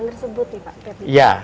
tersebut nih pak